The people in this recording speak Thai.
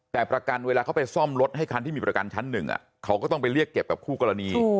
แต่ประกันเวลาเขาไปซ่อมรถให้คันที่มีประกันชั้นหนึ่งเขาก็ต้องไปเรียกเก็บกับคู่กรณี